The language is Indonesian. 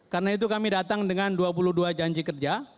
karena itu kami datang dengan dua puluh dua janji kerja